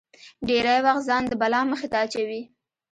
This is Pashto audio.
ډېری وخت ځان د بلا مخې ته اچوي.